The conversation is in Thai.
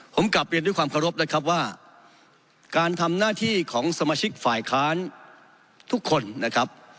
ผมกลับเรียนด้วยความเคารพนะครับว่าการทำหน้าที่ของสมาชิกฝ่ายค้านทุกคนนะครับ